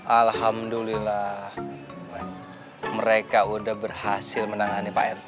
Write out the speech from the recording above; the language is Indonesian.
alhamdulillah mereka sudah berhasil menangani pak rt